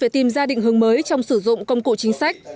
để tìm ra định hướng mới trong sử dụng công cụ chính sách